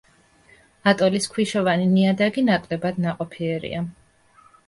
ატოლის ქვიშოვანი ნიადაგი ნაკლებად ნაყოფიერია.